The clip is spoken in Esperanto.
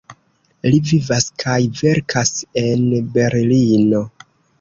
Li vivas kaj verkas en Berlino.